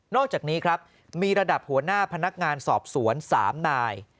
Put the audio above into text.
อกจากนี้ครับมีระดับหัวหน้าพนักงานสอบสวน๓นาย